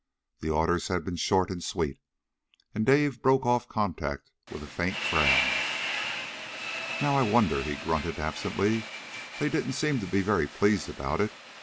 The orders had been short and sweet, and Dave broke off contact with a faint frown. "Now what, I wonder?" he grunted absently. "They didn't seem to be very pleased about it.